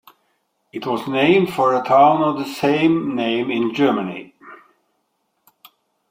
It was named for a town of the same name in Germany.